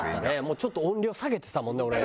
ちょっと音量下げてたもんね俺。